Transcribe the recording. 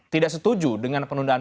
tidak setuju dengan penundaan